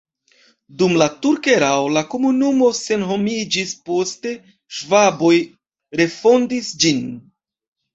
Dum la turka erao la komunumo senhomiĝis, poste ŝvaboj refondis ĝin.